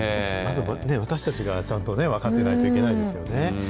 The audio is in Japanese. まずは私たちがちゃんと分かってないといけないですよね。